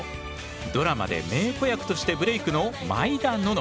ドラマで名子役としてブレークの毎田暖乃。